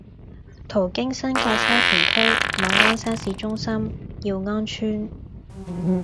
途經新界沙田區馬鞍山市中心、耀安邨、